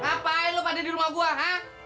ngapain lo pada di rumah gua ha